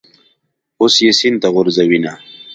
اوس یې سین ته غورځوینه.